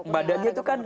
badannya itu kan